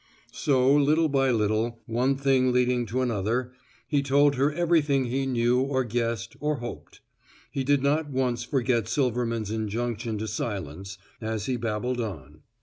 So, little by little, one thing leading to another, he told her everything he knew or guessed or hoped. He did not once forget Silverman's injunction to silence, as he babbled on.